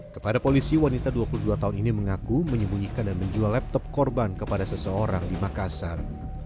kepada polisi wanita dua puluh dua tahun ini mengaku menyembunyikan dan menjual laptop korban kepada seseorang di makassar